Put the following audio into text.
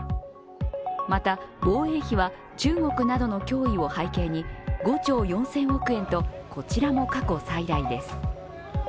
また防衛費は中国などの脅威を背景に５兆４０００億円と、こちらも過去最大です。